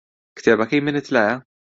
کتێبەکەی منت لایە؟